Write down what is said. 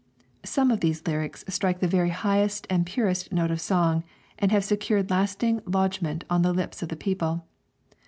Some of these lyrics strike the very highest and purest note of song, and have secured lasting lodgment on the lips of the people.